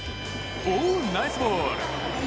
おー、ナイスボール！